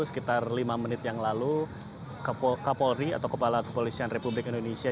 sekitar lima menit yang lalu kapolri atau kepala kepolisian republik indonesia